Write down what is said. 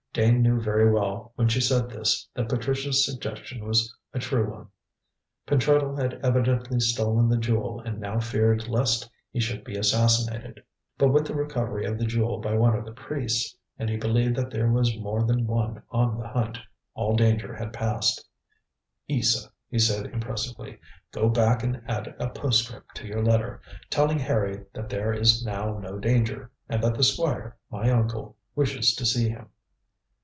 Dane knew very well when she said this that Patricia's suggestion was a true one. Pentreddle had evidently stolen the jewel and now feared lest he should be assassinated. But with the recovery of the jewel by one of the priests and he believed that there was more than one on the hunt all danger had passed. "Isa," he said, impressively, "go back and add a postscript to your letter, telling Harry that there is now no danger, and that the Squire, my uncle, wishes to see him."